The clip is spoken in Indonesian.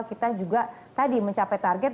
kita juga tadi mencapai target